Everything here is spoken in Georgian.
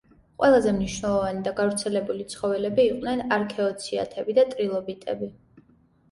ყველაზე მნიშვნელოვანი და გავრცელებული ცხოველები იყვნენ არქეოციათები და ტრილობიტები.